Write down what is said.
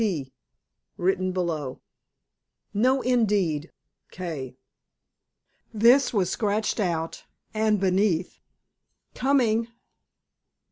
T. WRITTEN BELOW. No indeed. K. THIS WAS SCRATCHED OUT AND BENEATH. Coming.